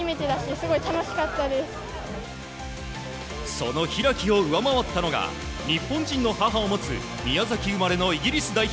その開を上回ったのが日本人の母を持つ宮崎生まれのイギリス代表